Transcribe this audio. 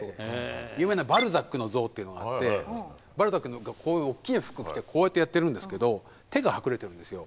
有名なバルザックの像っていうのがあってバルザック何かこういう大きな服着てこうやってやってるんですけど手が隠れてるんですよ。